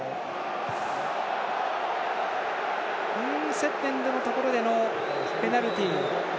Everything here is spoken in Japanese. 接点でのところでのペナルティ。